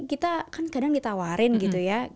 kita kan kadang ditawarin gitu ya